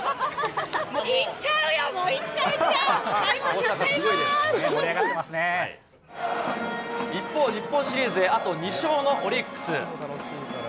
いっちゃうよー、もう、いっちゃう、いっちゃう、一方、日本シリーズへ、あと２勝のオリックス。